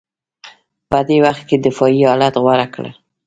په دې وخت کې دفاعي حالت غوره کړ